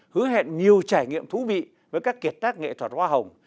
hứa hẹn nhiều trải nghiệm thú vị với các kiệt tác nghệ thuật hoa hồng